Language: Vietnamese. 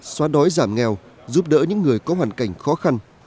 xóa đói giảm nghèo giúp đỡ những người có hoàn cảnh khó khăn